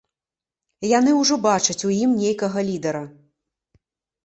Яны ўжо бачаць у ім нейкага лідара.